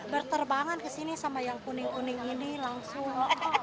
berterbangan ke sini sama yang kuning kuning ini langsung